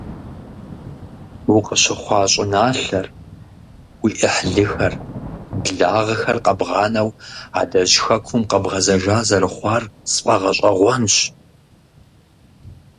Укъыщыхъуа щӀыналъэр, уи Ӏыхьлыхэр, благъэхэр къэбгъанэу адэжь Хэкум къэбгъэзэжа зэрыхъуар сфӀэгъэщӀэгъуэнщ.